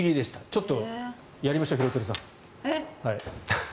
ちょっとやりましょう廣津留さん。